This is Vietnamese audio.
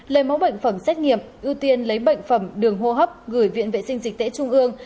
lấy mẫu bệnh phẩm xét nghiệm ưu tiên lấy bệnh phẩm đường hô hấp gửi viện vệ sinh dịch tễ trung ương